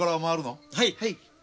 はい。